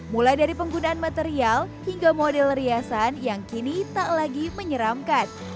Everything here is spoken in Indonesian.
mulai dari penggunaan material hingga model riasan yang kini tak lagi menyeramkan